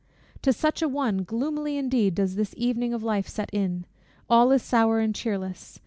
To such an one, gloomily indeed does the evening of life set in! All is sour and cheerless.